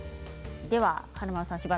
華丸さん